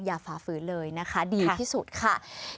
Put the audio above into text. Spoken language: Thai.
ฝ่าฝืนเลยนะคะดีที่สุดค่ะ